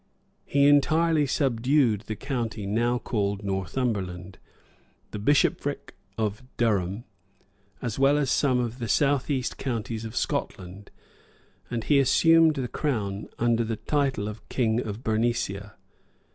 He entirely subdued the county now called Northumberland, the bishopric of Durham, as well as some of the south east counties of Scotland; and he assumed the crown under the title of king of Bernicia.